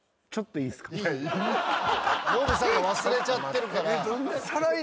ノブさんが忘れちゃってるから。